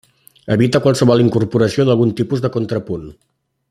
Evita qualsevol incorporació d'algun tipus de contrapunt.